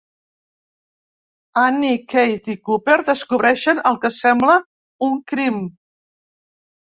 Annie, Kate i Cooper descobreixen el que sembla un crim.